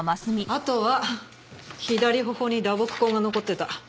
あとは左頬に打撲痕が残ってた。